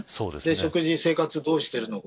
食事、生活どうしているの。